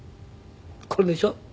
これでしょ。